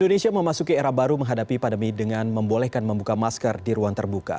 indonesia memasuki era baru menghadapi pandemi dengan membolehkan membuka masker di ruang terbuka